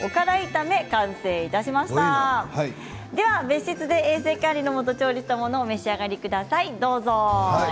別室で衛生管理のもと調理したものをお召し上がりください。